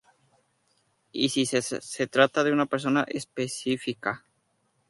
Y, sí, se trata de una persona específica.